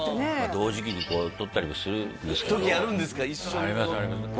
同時期にこう撮ったりもするんですけど時あるんですか？